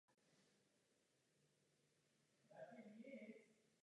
Po skončení sportovní kariéry působil jako ředitel na několika islandských školách.